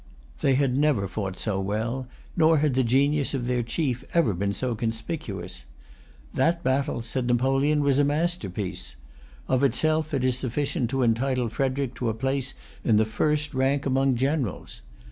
They had never fought so well; nor had the genius of their chief ever been so conspicuous. "That battle," said Napoleon, "was a masterpiece. Of itself it is sufficient to entitle Frederic to a place in the first rank among generals."